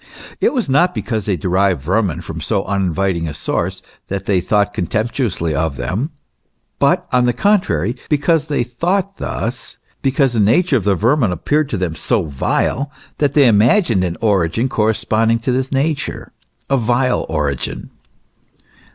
It was not because they derived vermin from so uninviting a source, that they thought con temptuously of them ; but, on the contrary, because they thought thus, because the nature of vermin appeared to them so vile, they imagined an origin corresponding to this nature, a vile origin.